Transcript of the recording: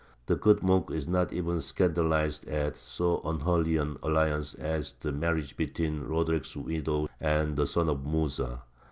The good monk is not even scandalized at so unholy an alliance as the marriage between Roderick's widow and the son of Mūsa.